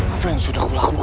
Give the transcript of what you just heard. apa yang sudah kulakukan